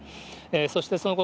そしてその後、